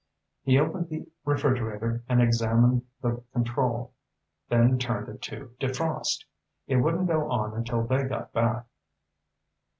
He opened the refrigerator and examined the control, then turned it to "defrost." It wouldn't go on until they got back.